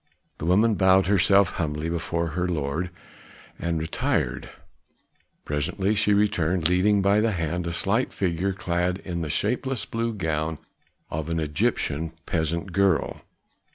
The woman bowed herself humbly before her lord and retired; presently she returned, leading by the hand a slight figure clad in the shapeless blue gown of an Egyptian peasant girl.